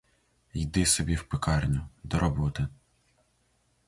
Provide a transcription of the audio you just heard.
Йди собі в пекарню до роботи.